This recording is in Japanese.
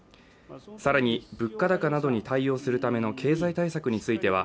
更に、物価高などに対応するための経済対策については